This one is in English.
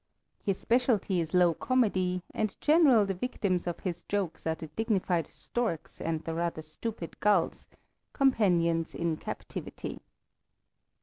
His specialty is low comedy and generally the victims of his jokes are the dignified storks and the rather stupid gulls, companions in captivity.